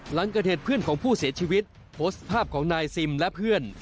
หลังเกิดเหตุเพื่อนของผู้เสียชีวิตโพสต์ภาพของนายซิมและเพื่อน